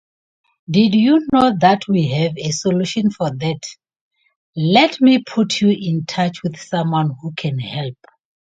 They were represented in both the mainstream and Christian market.